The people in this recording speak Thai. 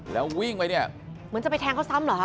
แล้ววิ่งไปเนี่ยเหมือนจะไปแทงเขาซ้ำเหรอคะ